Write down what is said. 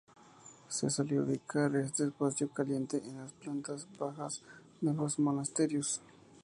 Se solía ubicar este espacio caliente en las plantas bajas de los monasterios.